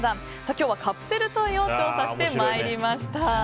今日はカプセルトイを調査してまいりました。